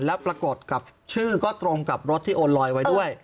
และปรากฏชื่อก็ตรงกับรถที่โอร์ลอยด์ไว้ด้วย